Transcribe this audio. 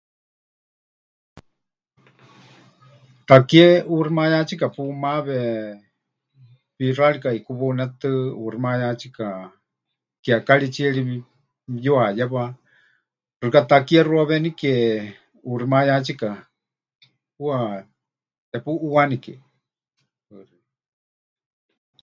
Takie 'uuximayátsika pumawe, wixárika ʼikuwaunétɨ ʼuuximayátsika kiekaritsíe ri pɨyuhayewa, xɨka takie xuawenike ʼuuximayátsika ʼuuwa tepuʼuuwánike.